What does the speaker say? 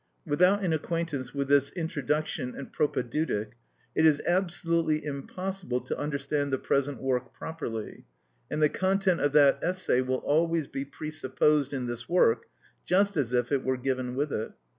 Without an acquaintance with this introduction and propadeutic it is absolutely impossible to understand the present work properly, and the content of that essay will always be presupposed in this work just as if it were given with it.